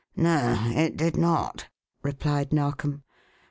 "No, it did not," replied Narkom.